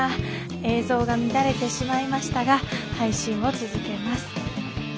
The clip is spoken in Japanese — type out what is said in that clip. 映像が乱れてしまいましたが配信を続けます。